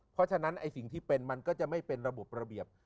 เพราะฉะนั้นไอ้สิ่งที่เป็นมันก็จะไม่เป็นระบบระเบียบ